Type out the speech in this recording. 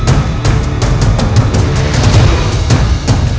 seperti sesama ini